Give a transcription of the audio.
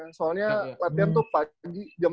karena latihan tuh pagi jam tujuh